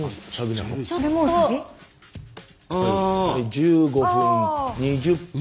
１５分２０分。